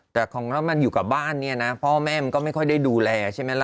แต่ของเรามันอยู่กับบ้านเนี่ยนะพ่อแม่มันก็ไม่ค่อยได้ดูแลใช่ไหมล่ะ